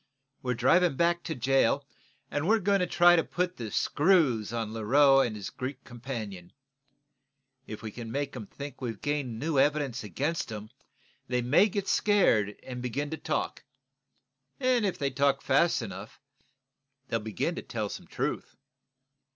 We're driving back to jail, and we're going to try to put the screws on Leroux and his Greek companion. If we can make 'em think we've gained new evidence against 'em, they may get scared and begin to talk. If they talk fast enough, they'll begin to tell some truth."